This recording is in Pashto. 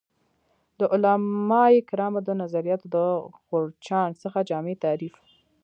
د علمای کرامو د نظریاتو د غورچاڼ څخه جامع تعریف